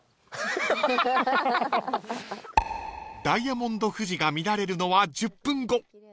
［ダイヤモンド富士が見られるのは１０分後］